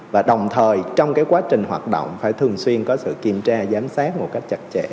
và đồng thời trong quá trình hoạt động phải thường xuyên có sự kiểm tra giám sát một cách chặt chẽ